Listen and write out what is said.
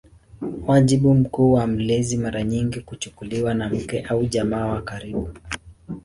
Wajibu mkuu wa mlezi mara nyingi kuchukuliwa na mke au jamaa wa karibu.